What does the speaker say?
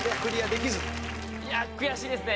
いや悔しいですね。